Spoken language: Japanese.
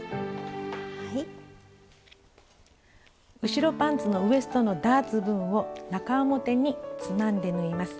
後ろパンツのウエストのダーツ分を中表につまんで縫います。